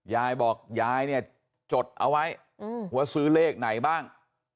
ยายบอกยายเนี่ยจดเอาไว้ว่าซื้อเลขไหนบ้าง